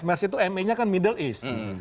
mers itu me nya kan middle east